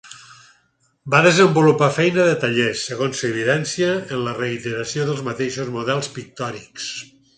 Va desenvolupar feina de taller, segons s'evidencia en la reiteració dels mateixos models pictòrics.